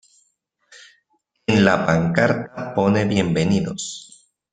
en la pancarta pone bienvenidos.